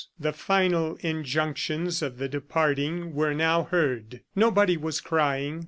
The final injunctions of the departing were now heard. Nobody was crying.